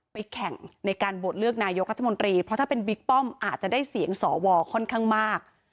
แข่งในการโหวตเลือกนายกรัฐมนตรีเพราะถ้าเป็นบิ๊กป้อมอาจจะได้เสียงสวค่อนข้างมาก